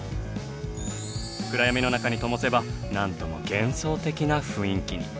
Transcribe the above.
暗闇の中にともせばなんとも幻想的な雰囲気に。